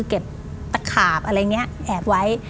เก็บตะขาบอะไรเนี่ยแอบไว้